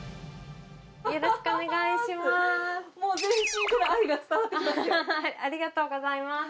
よろしくお願いします。